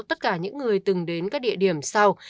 tất cả những người từng đến các địa điểm sau